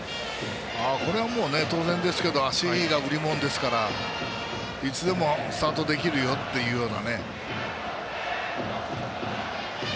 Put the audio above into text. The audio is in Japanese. これは当然ですけど足が売り物ですからいつでもスタートできるよっていうような。